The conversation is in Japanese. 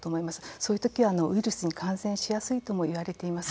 そういう時はウイルスに感染しやすいともいわれています。